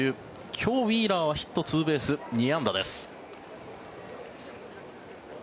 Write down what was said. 今日、ウィーラーはヒット、ツーベース２安打です。